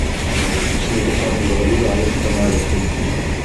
שמתוכם כבר עלו לארץ כמה אלפים